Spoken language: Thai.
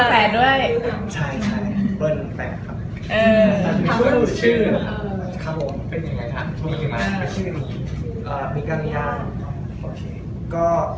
ครับผมเป็นยังไงครับชื่อมีกะมีกะมีกะ